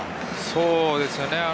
そうですね。